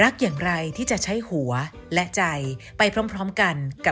สวัสดีค่ะ